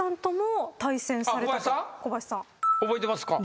覚えてますか？